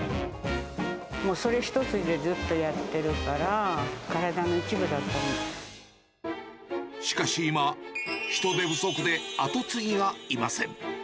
もうそれ一筋でずっとやっているから、しかし今、人手不足で後継ぎがいません。